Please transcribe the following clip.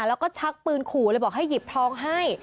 แล้วก็ชักปืนขู่เลยบอกให้หยิบทองให้